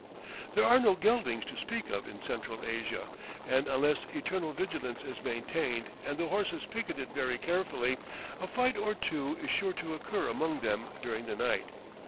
There are no geldings to speak of in Central Asia, and unless eternal vigilance is maintained and the horses picketed very carefully, a fight or two is sure to occur among them during the night.